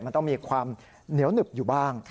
มันต้องมีความเหนียวหนึบอยู่บ้าง